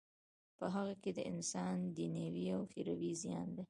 په هغه کی د انسان دینوی او اخروی زیان دی.